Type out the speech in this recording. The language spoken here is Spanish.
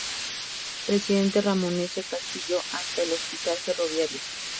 Presidente Ramón S. Castillo Hasta El Hospital Ferroviario.